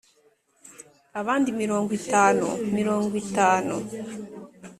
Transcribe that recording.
Abandi mirongo itanu mirongo itanu